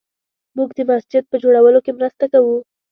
موږ د مسجد په جوړولو کې مرسته کوو